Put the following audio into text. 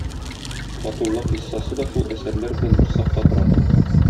Батулла кыйссасы да шул әсәрләр белән бер сафта тора.